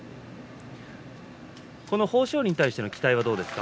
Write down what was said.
豊昇龍に対する期待はどうですか？